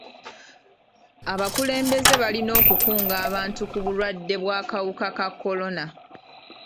Abakulembeze balina okukunga abantu ku bulwadde bw'akawuka ka kolona.